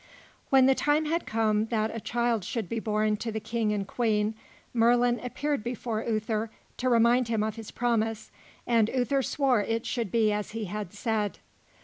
When the time had come that a child should be born to the King and Queen, Merlin appeared before Uther to remind him of his promise; and Uther swore it should be as he had said.